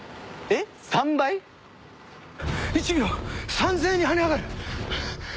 １秒３，０００円に跳ね上がる。